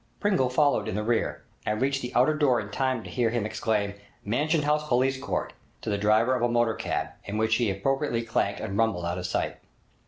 Pringle followed in the rear, and reached the outer door in time to hear him exclaim, 'Mansion House Police Court,' to the driver of a motor cab, in which he appropriately clanked and rumbled out of sight.